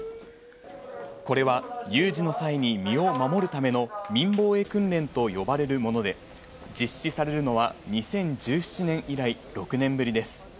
これは有事の際に身を守るための民防衛訓練と呼ばれるもので、実施されるのは２０１７年以来６年ぶりです。